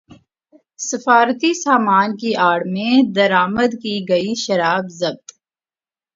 سفارتی سامان کی اڑ میں درامد کی گئی شراب ضبط